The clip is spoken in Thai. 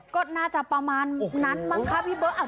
ก็น่าจะประมาณนัดบ้างค่ะพี่เบาะ